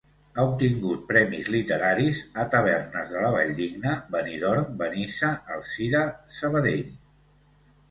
Ha obtingut premis literaris a Tavernes de la Valldigna, Benidorm, Benissa, Alzira, Sabadell.